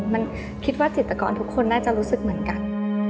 มันคิดว่าจิตกรทุกคนน่าจะรู้สึกเหมือนกัน